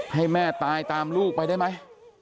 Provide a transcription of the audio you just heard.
ให้แม่ตายตามลูกไปได้ไหม